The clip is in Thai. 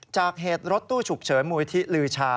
จากเหตุรถตู้ฉุกเฉินมูลที่ลือชา